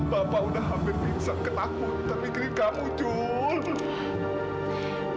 bapak udah hampir pingsan ketakutan mikirin kamu julie